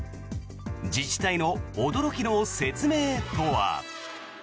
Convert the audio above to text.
自治体の驚きの説明とは。